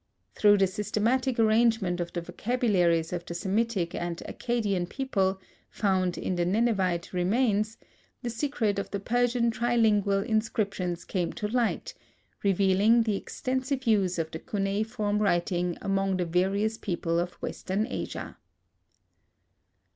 Through the systematic arrangement of the vocabularies of the Semitic and Accadian people, found in the Ninevite remains, the secret of the Persian trilingual inscriptions came to light, revealing the extensive use of the cuneiform writing among the various people of western Asia.